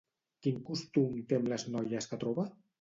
Quin costum té amb les noies que troba?